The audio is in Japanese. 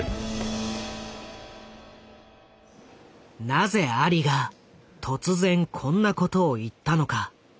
なぜアリが突然こんなことを言ったのか。